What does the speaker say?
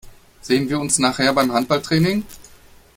Sehen wir uns nachher beim Handballtraining?